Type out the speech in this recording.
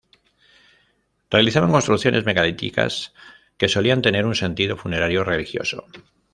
Realizaban construcciones megalíticas, que solían tener un sentido funerario-religioso.